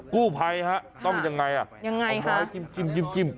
กู้ไพ่ครับต้องยังไงยังไงครับจิ้มจิ้มจิ้มจิ้ม